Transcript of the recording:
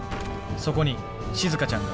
そこにしずかちゃんが。